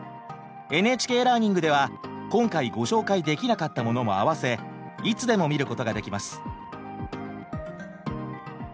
ＮＨＫラーニングでは今回ご紹介できなかったものも合わせいつでも見ることができます。